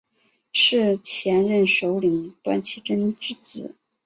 是前任首领段乞珍之子。